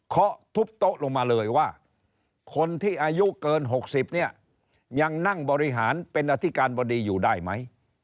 เขาทุบโต๊ะลงมาเลยว่าคนที่อายุเกิน๖๐เนี่ยยังนั่งบริหารเป็นอธิการบดีอยู่ได้ไหม